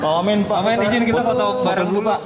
pak wamen izin kita foto bareng dulu pak